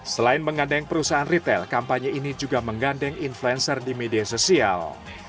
selain mengandeng perusahaan retail kampanye ini juga menggandeng influencer di media sosial